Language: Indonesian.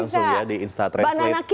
langsung ya di insta translate